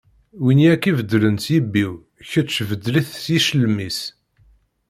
Win i ak-ibeddlen s yibiw, kečč beddel-it s yiclem-is.